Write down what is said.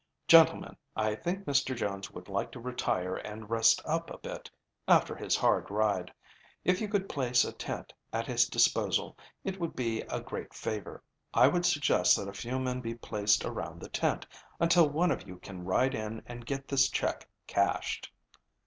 "Gentlemen, I think Mr. Jones would like to retire and rest up a bit, after his hard ride. If you could place a tent at his disposal, it would be a great favor. I would suggest that a few men be placed around the tent until one of you can ride in and get this check cashed."